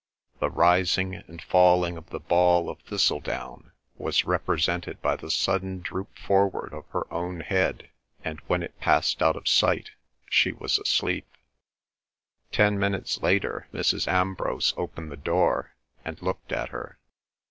The rising and falling of the ball of thistledown was represented by the sudden droop forward of her own head, and when it passed out of sight she was asleep. Ten minutes later Mrs. Ambrose opened the door and looked at her.